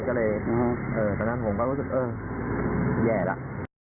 ก็เลยตอนนั้นผมก็รู้สึกเออแย่แล้ว